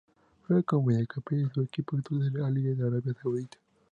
Juega como mediocampista y su equipo actual es el Al-Ahli de Arabia Saudita.